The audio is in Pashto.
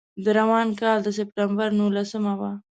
د روان کال د سپټمبر نولسمه وه.